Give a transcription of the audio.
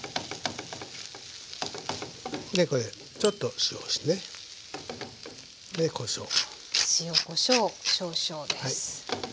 でこれにちょっと塩をしてね。でこしょう。